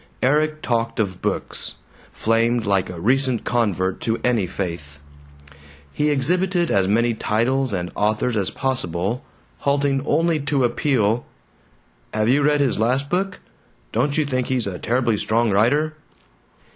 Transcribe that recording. Erik talked of books; flamed like a recent convert to any faith. He exhibited as many titles and authors as possible, halting only to appeal, "Have you read his last book? Don't you think he's a terribly strong writer?"